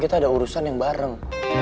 kita ada urusan yang bareng